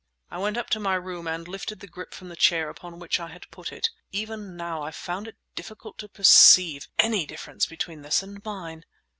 I went up to my room and lifted the grip from the chair upon which I had put it. Even now I found it difficult to perceive any difference between this and mine.